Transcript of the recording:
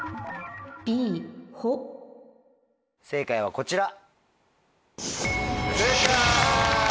正解はこちら。